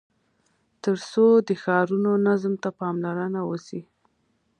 تر څو د ښارونو نظم ته پاملرنه وسي.